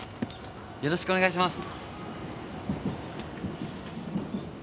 よろしくお願いします